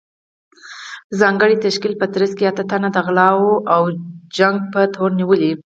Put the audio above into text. ځانګړې تشکیل په ترڅ کې اته تنه د غلاوو او شخړو په تور نیولي